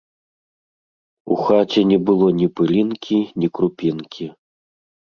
У хаце не было нi пылiнкi, нi крупiнкi.